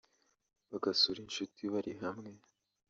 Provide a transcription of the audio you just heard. bagasura inshuti bari hamwe